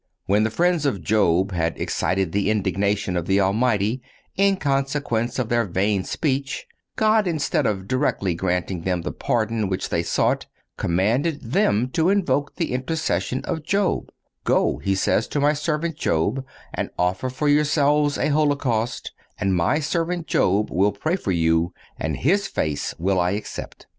(200) When the friends of Job had excited the indignation of the Almighty in consequence of their vain speech, God, instead of directly granting them the pardon which they sought, commanded them to invoke the intercession of Job: "Go," He says, "to My servant Job and offer for yourselves a holocaust, and My servant Job will pray for you and his face will I accept."